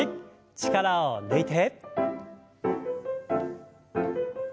力を抜いて。